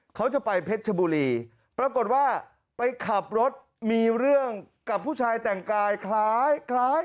เขาจะไปเพชรชบุรีปรากฏว่าไปขับรถมีเรื่องกับผู้ชายแต่งกายคล้ายคล้าย